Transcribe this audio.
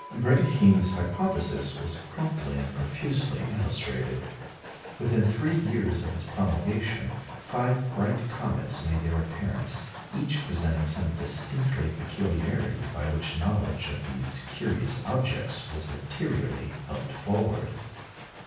Brédikhine's hypothesis was promptly and profusely illustrated. Within three years of its promulgation, five bright comets made their appearance, each presenting some distinctive peculiarity by which knowledge of these curious objects was materially helped forward.